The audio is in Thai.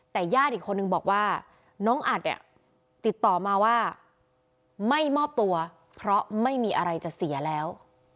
แต่ญาติอีกคนนึงบอกว่าน้องอัดเนี่ยติดต่อมาว่าไม่มอบตัวเพราะไม่มีอะไรจะเสียแล้ว